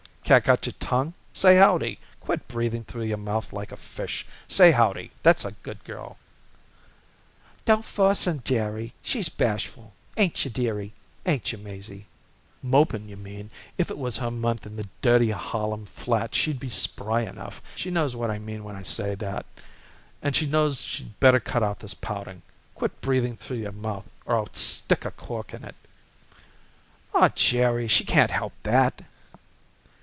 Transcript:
"Cat got your tongue? Say howdy. Quit breathing through your mouth like a fish. Say howdy, that's a good girl." "Don't force her, Jerry. She's bashful. Ain't you, dearie? Ain't you, Maisie?" "Moping, you mean. If it was her month in the dirty Harlem flat she'd be spry enough. She knows what I mean whan I say that, and she knows she better cut out this pouting. Quit breathing through your mouth or I'll stick a cork in it." "Aw, Jerry, she can't help that!"